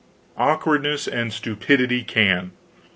Awkwardness and stupidity can.